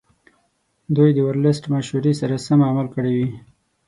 دوی د ورلسټ مشورې سره سم عمل کړی وي.